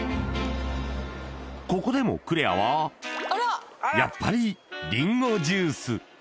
ここでもクレアはやっぱりりんごジュース